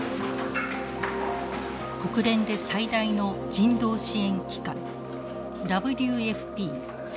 国連で最大の人道支援機関ＷＦＰ世界食糧計画。